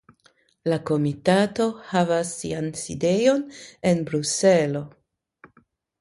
La komitato havas sian sidejon en Bruselo.